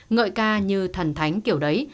ngợi ca như thần thánh kiểu đấy